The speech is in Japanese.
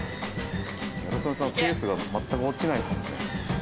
・ギャル曽根さんペースが全く落ちないですもんね・